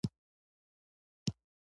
بېنډۍ له مڼو سره پرتله نشي